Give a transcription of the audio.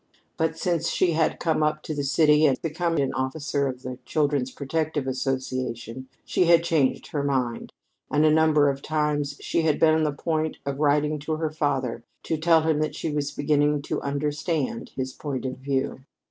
But since she had come up to the city and become an officer of the Children's Protective Association, she had changed her mind, and a number of times she had been on the point of writing to her father to tell him that she was beginning to understand his point of view.